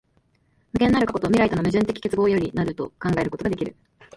無限なる過去と未来との矛盾的結合より成ると考えることができる。